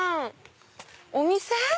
お店？